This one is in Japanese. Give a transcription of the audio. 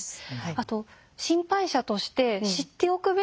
あと心配者として知っておくべきこと。